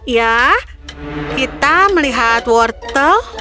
ya kita melihat wortel